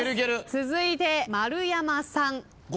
続いて丸山さん。